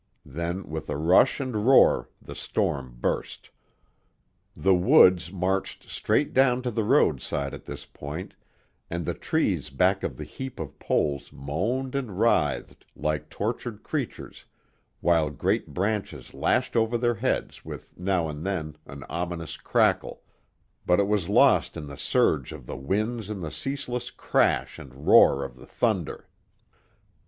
Then with a rush and roar the storm burst. The woods marched straight down to the roadside at this point, and the trees back of the heap of poles moaned and writhed like tortured creatures while great branches lashed over their heads with now and then an ominous crackle, but it was lost in the surge of the winds and the ceaseless crash and roar of the thunder.